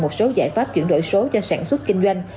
một số giải pháp chuyển đổi số cho sản xuất kinh doanh